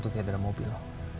tidak ada mobil